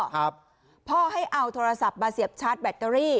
ครับพ่อให้เอาโทรศัพท์มาเสียบชาร์จแบตเตอรี่